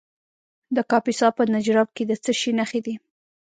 د کاپیسا په نجراب کې د څه شي نښې دي؟